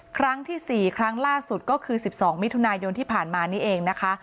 ครั้งที่๔ครั้งล่าสุดก็คือ๑๒มิถุนายนที่ผ่านมานี่เองนะคะ